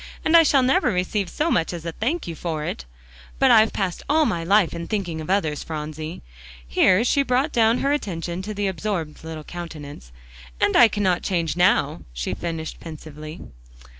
And I shall never receive so much as a thank you for it. But I've passed all my life in thinking of others, Phronsie," here she brought down her attention to the absorbed little countenance, "and I cannot change now," she finished pensively.